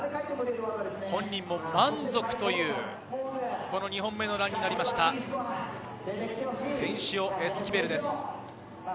本人も満足という２本目のランになりましたテンシオ・エスキベルです。